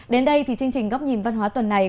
đến đây thì chương trình góc nhìn văn hóa tuần này